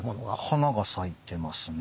花が咲いてますね。